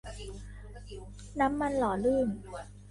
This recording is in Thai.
น้ำมันหล่อลื่น